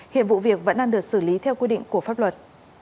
hiện vụ việc vẫn đang được xử lý theo quy định của pháp luật